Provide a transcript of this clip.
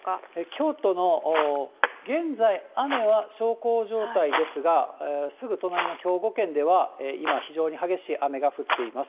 京都の現在、雨は小康状態ですが、すぐ隣の兵庫県では、今非常に激しい雨が降っています。